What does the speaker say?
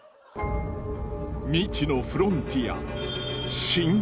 未知のフロンティア